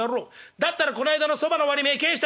だったらこの間のそばの割り前返して」。